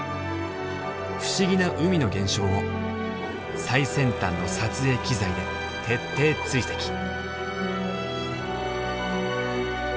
不思議な海の現象を最先端の撮影機材で徹底追跡。